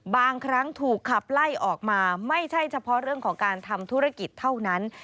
บางครั้งถูกขับไล่ออกมาไม่ใช่เฉพาะเรื่องของการทำธุรกิจเท่านั้น